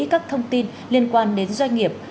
các thông tin liên quan đến doanh nghiệp